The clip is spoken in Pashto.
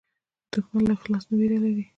دښمن له اخلاص نه وېره لري